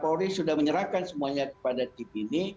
polri sudah menyerahkan semuanya kepada tim ini